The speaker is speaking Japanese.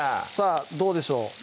さぁどうでしょう？